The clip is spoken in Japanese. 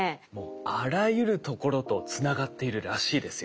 あらゆるところとつながっているらしいですよ。